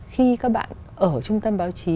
khi các bạn ở trung tâm báo chí